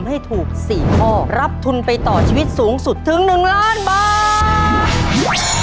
ให้ถูก๔ข้อรับทุนไปต่อชีวิตสูงสุดถึง๑ล้านบาท